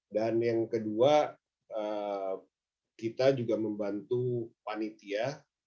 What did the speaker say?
dan yang kedua kita juga membantu panitia